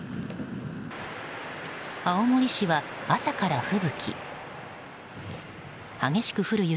青森市は、朝から吹雪。